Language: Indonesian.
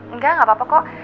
enggak enggak apa apa kok